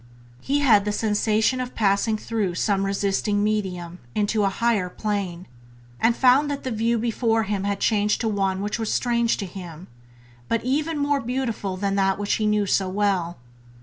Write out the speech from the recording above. He had the sensation of passing through some resisting medium into a higher plane, and found that the view before him had changed to one which was strange to him, but even more beautiful than that which he knew so well.